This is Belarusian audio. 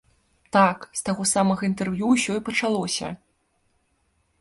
Так, з таго самага інтэрв'ю ўсё і пачалося!